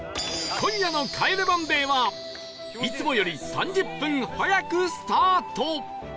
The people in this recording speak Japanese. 今夜の『帰れマンデー』はいつもより３０分早くスタート！